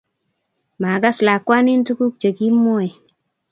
Magaas lakwanin tuguk chegimwoni